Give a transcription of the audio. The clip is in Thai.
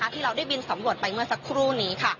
ที่เราได้บินสำรวจไปเมื่อสักครู่นี้